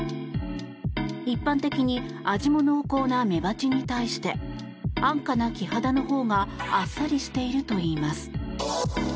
一般的に味も濃厚なメバチに対して安価なキハダのほうがあっさりしているといいます。